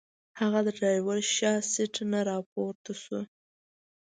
هغه د ډرایور شاته سیټ نه راپورته شو.